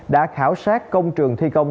đã khảo sát công trường thi công